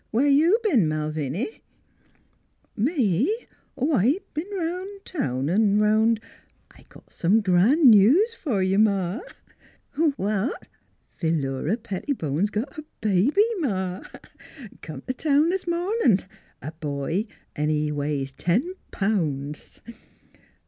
"Where you b'en, Malviny?" "Me? Oh, I b'en down town 'n' round. ... I got some grand news f'r you, Ma! " "Huh?" " Philura Pettibone's got a baby, Ma ! Come t' town this mornin'. A boy, an' he weighs ten pounds!